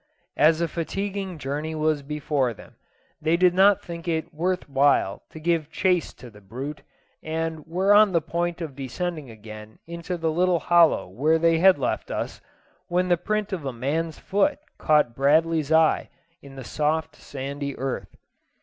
As a fatiguing journey was before them, they did not think it worth while to give chase to the brute, and were on the point of descending again into the little hollow where they had left us, when the print of a man's foot caught Bradley's eye in the soft sandy earth.